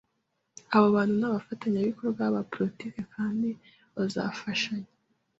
Abo bantu ni abafatanyabikorwa ba politiki kandi bazafashanya